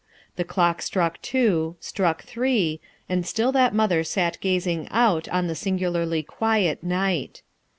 The clock struck two, struck three, and still that mother sat gazing out on the singularly quiet night.